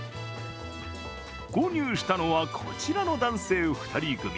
購入したのは、こちらの男性２人組。